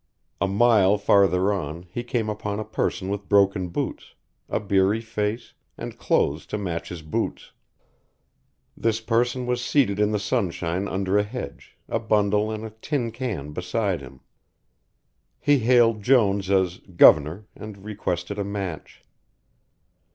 A mile farther on he came upon a person with broken boots, a beery face, and clothes to match his boots. This person was seated in the sunshine under a hedge, a bundle and a tin can beside him. He hailed Jones as "Guvernor" and requested a match.